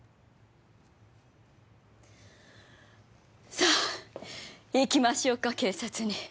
さあ行きましょうか警察に。